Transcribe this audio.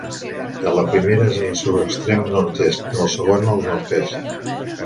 De la primera és el seu extrem nord-oest, de la segona, el nord-est.